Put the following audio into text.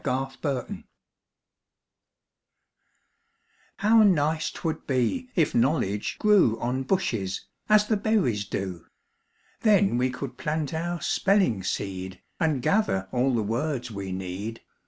EASY KNOWLEDGE How nice 'twould be if knowledge grew On bushes, as the berries do! Then we could plant our spelling seed, And gather all the words we need.